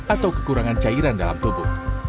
atau kekurangan cairan dalam tubuh